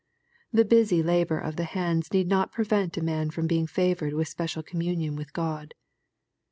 The busy labor of the hands need not prevent a man being favored with special communion with God.